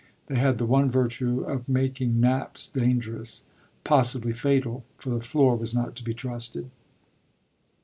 They had the one virtue of making naps dangerous, possibly fatal, for the floor was not to be trusted.